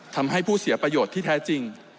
ทำให้ผู้เสียประโยชน์ที่แท้จริง